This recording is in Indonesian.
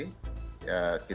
kita akan lakukan sesegera mungkin